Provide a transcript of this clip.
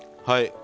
はい。